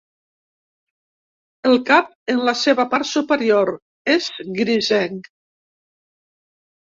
El cap en la seva part superior és grisenc.